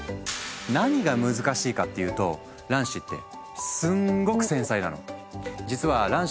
何が難しいかっていうと卵子ってすんごく繊細なの。